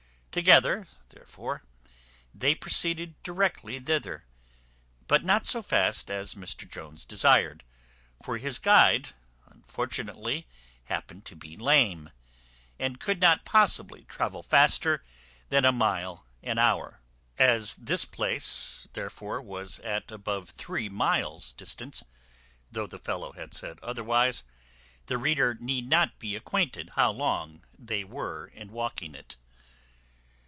Together, therefore, they proceeded directly thither; but not so fast as Mr Jones desired; for his guide unfortunately happened to be lame, and could not possibly travel faster than a mile an hour. As this place, therefore, was at above three miles' distance, though the fellow had said otherwise, the reader need not be acquainted how long they were in walking it.